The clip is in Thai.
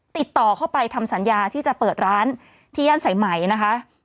ติดต่อเข้าไปทำสัญญาที่จะเปิดร้านที่ย่านสายไหมนะคะ